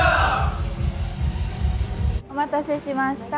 お待たせしました。